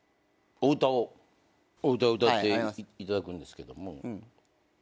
お歌を歌っていただくんですけども。